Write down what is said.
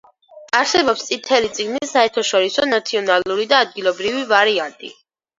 არსებობს წითელი წიგნის საერთაშორისო, ნაციონალური და ადგილობრივი ვარიანტი.